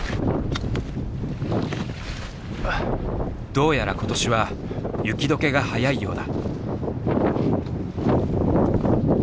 どうやら今年は雪どけが早いようだ。